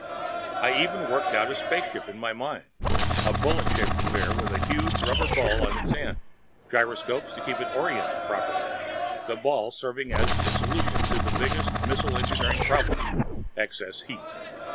I even worked out a spaceship in my mind, a bullet shaped affair with a huge rubber ball on its end, gyroscopes to keep it oriented properly, the ball serving as solution to that biggest of missile engineering problems, excess heat.